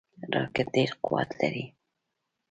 راکټ ډیر قوت لري